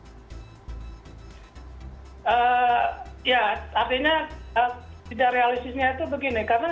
ya artinya tidak realistisnya itu begini karena